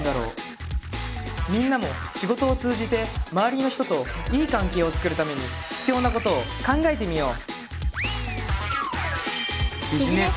みんなも仕事を通じて周りの人といい関係を作るために必要なことを考えてみよう！